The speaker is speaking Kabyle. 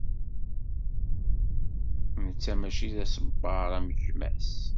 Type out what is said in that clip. Netta mačči d aṣebbar am gma-s.